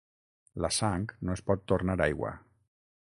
La sang no es pot tornar aigua.